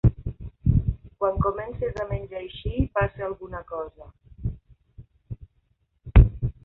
Quan comences a menjar així, passa alguna cosa.